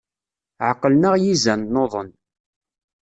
Ɛeqlen-aɣ yizan, nuḍen.